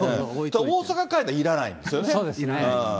大阪帰ったらいらないんですよね。